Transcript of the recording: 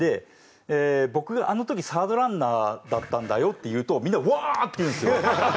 「僕あの時サードランナーだったんだよ」って言うとみんな「うわー！」って言うんですよ。